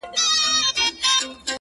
دغه زرين مخ؛